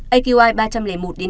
aqi ba trăm linh một đến năm trăm linh